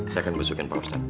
saya akan masukin pak ustadz